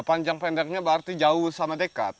panjang pendeknya berarti jauh sama dekat